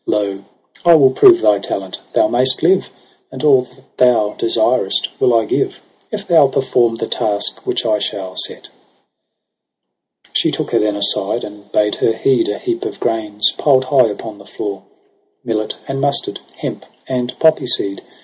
Lx) ! I will prove thy talent : thou mayst live. And all that thou desirest will I give. If thou perform the task which I shall set.' She took her then aside, and bade her heed ' A heap of grains piled high upon the floor. Millet and mustard, hemp and poppy seed.